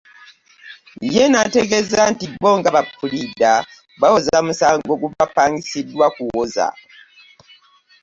Ye n'antegeeza nti bo nga bapuliida bawoza musango gubapangisiddwa kuwooza